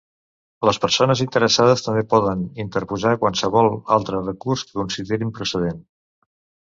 Les persones interessades també poden interposar qualsevol altre recurs que considerin procedent.